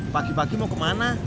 pagi pagi mau kemana